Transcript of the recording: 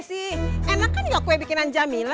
eh sih enak kan juga kue bikinan jamila